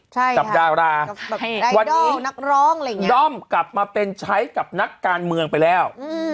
ใช่กับดาราวันนี้ด้อมกลับมาเป็นใช้กับนักการเมืองไปแล้ว